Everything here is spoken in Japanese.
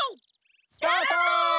スタート！